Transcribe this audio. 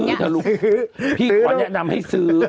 ซื้อเถอะลูกพี่ขอแนะนำให้ซื้อ